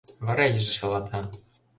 Вара иже шалата.